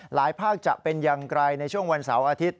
ภาคจะเป็นอย่างไรในช่วงวันเสาร์อาทิตย